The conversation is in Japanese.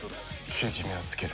けじめはつける。